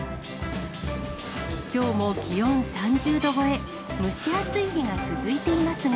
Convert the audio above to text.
きょうも気温３０度超え、蒸し暑い日が続いていますが。